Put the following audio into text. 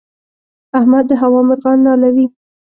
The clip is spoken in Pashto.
احمد د هوا مرغان نالوي.